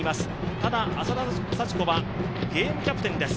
ただ、浅田幸子はゲームキャプテンです。